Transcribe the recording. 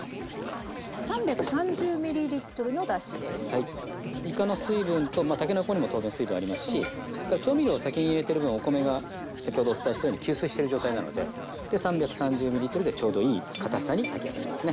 いかの水分とまあたけのこにも当然水分ありますしそれから調味料先に入れてる分お米が先ほどお伝えしたように吸水してる状態なのでで３３０ｍでちょうどいいかたさに炊き上がりますね。